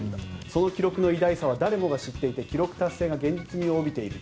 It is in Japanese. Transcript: その記録の偉大さは誰もが知っていて記録達成が現実味を帯びている。